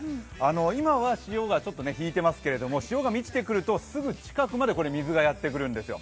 今は潮が引いていますけれども、潮が満ちてくるとすぐ近くまで水がやってくるんですよ。